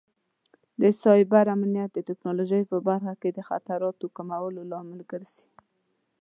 د سایبر امنیت د ټکنالوژۍ په برخه کې د خطراتو کمولو لامل ګرځي.